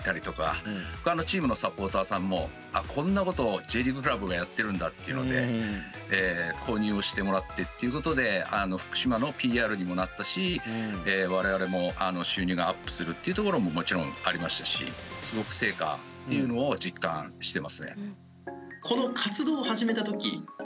ほかのチームのサポーターさんもこんなことをＪリーグクラブがやってるんだっていうので購入をしてもらってっていうことで福島のＰＲにもなったし我々も収入がアップするっていうところももちろんありましたしすごく成果っていうのを実感してますね。